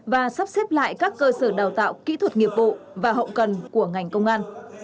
và sắp xếp lại các cơ sở đào tạo kỹ thuật nghiệp vụ và hậu cần của ngành công an